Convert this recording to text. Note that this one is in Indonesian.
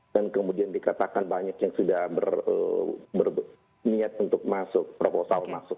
kemudian dikatakan banyak yang sudah berniat untuk masuk proposal masuk